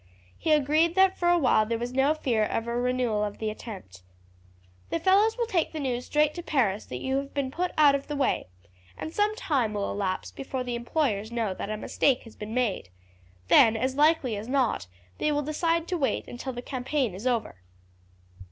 He agreed that for a while there was no fear of a renewal of the attempt. "The fellows will take the news straight to Paris that you have been put out of the way, and some time will elapse before the employers know that a mistake has been made. Then, as likely as not, they will decide to wait until the campaign is over."